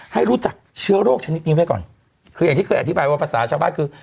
ให้รู้จักเชื้อโรคชนิดนี้ไว้ก่อนคืออย่างที่เคยอธิบายว่าภาษาชาวบ้านคือ